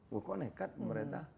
wah kok nekat pemerintah